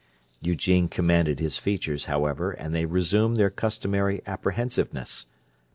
Eugene commanded his features, however, and they resumed their customary apprehensiveness.